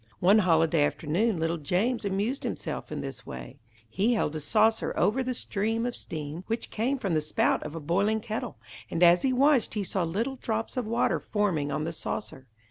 One holiday afternoon little James amused himself in this way. He held a saucer over the stream of steam which came from the spout of a boiling kettle, and as he watched he saw little drops of water forming on the saucer.